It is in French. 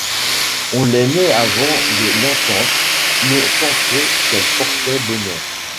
On l'aimait avant de l'entendre ; l'on sentait qu'elle portait bonheur.